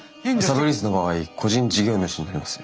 サブリースの場合個人事業主になります。